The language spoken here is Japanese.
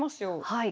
はい。